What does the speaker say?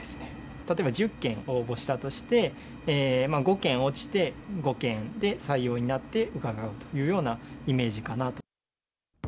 例えば１０件応募したとして、５件落ちて、５件で採用になって伺うというようなイメージかなと。